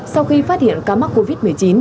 sau khi phát hiện ca mắc covid một mươi chín